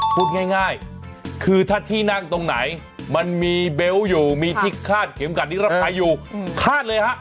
พูดง่ายคือถ้าที่นั่งตรงไหนมันมีเบลต์อยู่มีที่คาดเข็มขัดนิรภัยอยู่คาดเลยฮะ